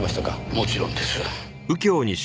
もちろんです。